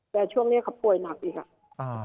แต่ช่วงนี้เขาป่วยหนักอีกอ่ะ